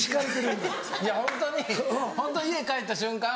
いやホントにホント家帰った瞬間